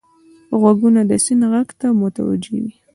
غوږونه د سیند غږ ته متوجه وي